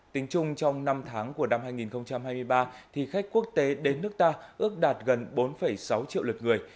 tính chung trong năm tháng của năm hai nghìn hai mươi ba khách quốc tế đến nước ta ước đạt gần bốn sáu triệu lượt người